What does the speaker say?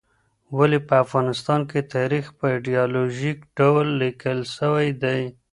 ولې په افغانستان کې تاریخ په ایډیالوژیک ډول لیکل سوی دی؟